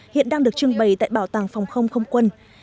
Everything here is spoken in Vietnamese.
hiện đang được trưng bày tại bảo tàng phòng không không quân